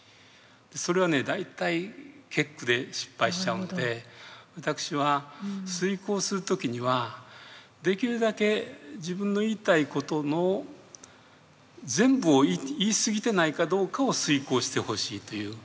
それは大体結句で失敗しちゃうんで私は推こうする時にはできるだけ自分の言いたいことの全部を言い過ぎてないかどうかを推こうしてほしいという。